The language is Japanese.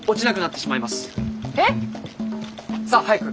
さあ早く！